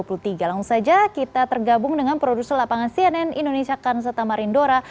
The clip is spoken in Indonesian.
langsung saja kita tergabung dengan produser lapangan cnn indonesia kansetamarindora